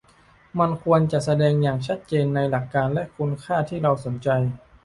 มันควรจะแสดงอย่างชัดเจนในหลักการและคุณค่าที่เราสนใจ